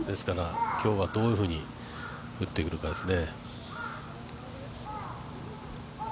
今日はどういうふうに打ってくるかですね。